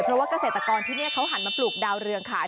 เพราะว่าเกษตรกรที่นี่เขาหันมาปลูกดาวเรืองขาย